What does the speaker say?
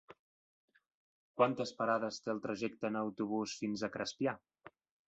Quantes parades té el trajecte en autobús fins a Crespià?